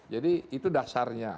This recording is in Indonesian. jadi itu dasarnya